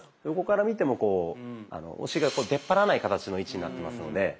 横から見てもこうお尻が出っ張らない形の位置になってますので。